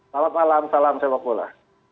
selamat malam salam sepak bola